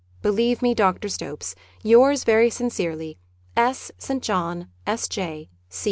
Believe me, dear Dr. S topes. Yours very sincerely, •'■ S. ST. JOHN, S.J.